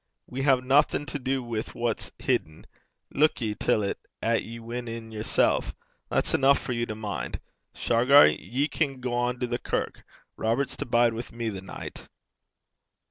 We hae naething to do wi' what's hidden. Luik ye till 't 'at ye win in yersel'. That's eneuch for you to min'. Shargar, ye can gang to the kirk. Robert's to bide wi' me the nicht.'